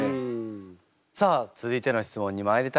さあ続いての質問にまいりたいと思います。